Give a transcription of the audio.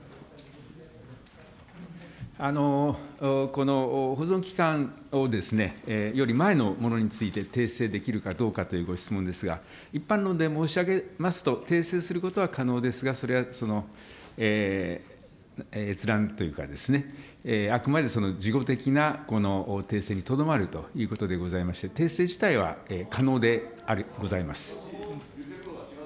この保存期間を、より、前のものについて訂正できるかどうかというご質問ですが、一般論で申し上げますと、訂正することは可能ですが、それは閲覧というかですね、あくまで事後的な訂正にとどまるということでございまして、訂正自体は可能である、ございます。